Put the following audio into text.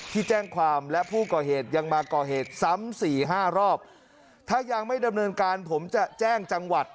ที่แจ้งความและผู้ก่อเหตุยังมาก่อเหตุซ้ำสี่ห้ารอบถ้ายังไม่ดำเนินการผมจะแจ้งจังหวัด